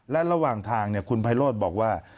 และระหว่างทางคุณไพโรธบอกว่า